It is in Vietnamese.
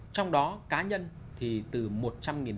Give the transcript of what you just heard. trong đó cá nhân thì tự nhiên là